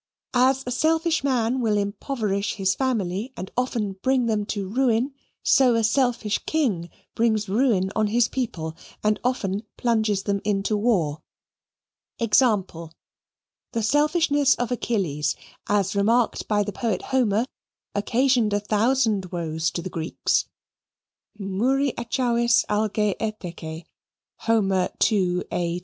As a selfish man will impoverish his family and often bring them to ruin, so a selfish king brings ruin on his people and often plunges them into war. Example: The selfishness of Achilles, as remarked by the poet Homer, occasioned a thousand woes to the Greeks muri Achaiois alge etheke (Hom. Il. A. 2).